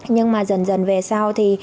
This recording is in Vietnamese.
nhưng mà dần dần về sau thì